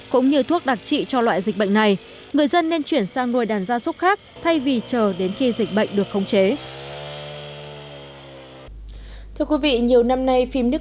cũng như thuốc đặc trị cho loại dịch bệnh này